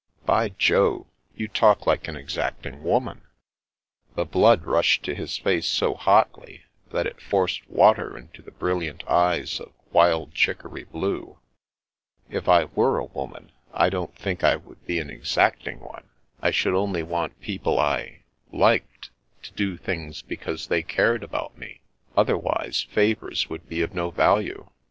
" By Jove ! You talk like an exacting woman 1 " The blood rushed to his face so hotly that it forced water into the brilliant eyes of wild chicory blue. " If I were a woman I don't think I would be an exacting one. I should only want people I — liked, to do things because they cared about me, otherwise favours would be of no value.